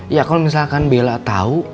ya kalau misalkan bela tau